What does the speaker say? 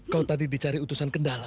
kau tadi dicari utusan gendala